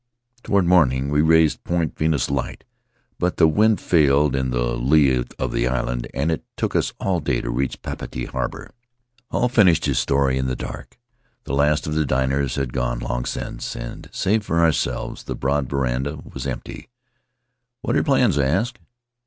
Toward morning we raised Point Venus Light, but the wind failed in the lee of the island, and it took us all day to reach Papeete harbor." Hall finished his story in the dark. The last of the diners had gone long since, and, save for ourselves, the broad veranda was empty. "What are your plans?" I asked.